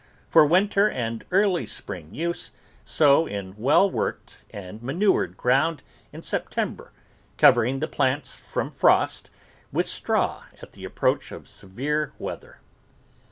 For winter and early spring use, sow in well worked and manured ground in September, covering the plants from frost with straw at the approach of severe weather.